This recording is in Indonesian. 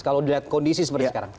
kalau dilihat kondisi seperti sekarang